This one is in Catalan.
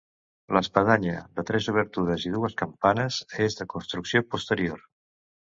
L'espadanya, de tres obertures i dues campanes, és de construcció posterior.